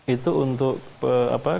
itu untuk keserentakan itu akan menjadi